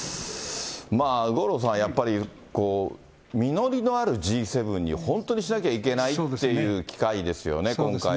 五郎さん、やっぱりこう、実りのあるＧ７に、本当にしなきゃいけないっていう機会ですよね、今回は。